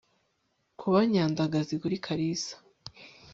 kuba nyandagazi kuri kalisa